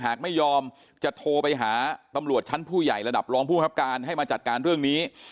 หากไม่ยอมจะโทรไปหาตำรวจชั้นผู้ใหญ่ระดับรองผู้ครับการให้มาจัดการเรื่องนี้